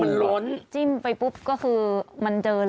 มันล้นจิ้มไปปุ๊บก็คือมันเจอเลย